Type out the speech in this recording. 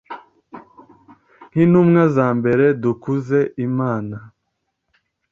nk'intumwa za mbere, dukuze imana